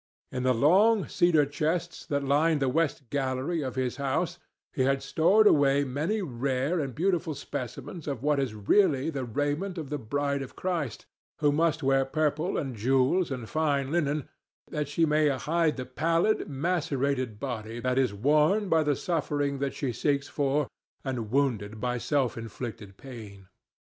In the long cedar chests that lined the west gallery of his house, he had stored away many rare and beautiful specimens of what is really the raiment of the Bride of Christ, who must wear purple and jewels and fine linen that she may hide the pallid macerated body that is worn by the suffering that she seeks for and wounded by self inflicted pain.